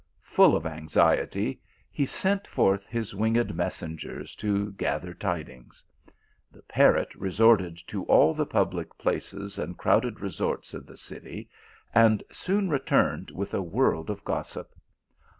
Full of anxiety, he sent forth his winged messengers to gather tidings. The parrot resorted to all the public places and crowded resorts of the city, and soon re turned with a world of gossip.